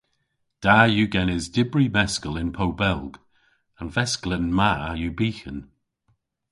Da yw genes dybri meskel yn Pow Belg. An vesklen ma yw byghan.